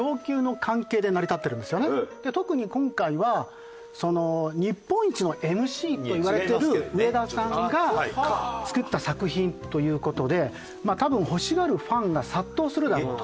特に今回は日本一のＭＣといわれている上田さんが作った作品という事で多分欲しがるファンが殺到するだろうと。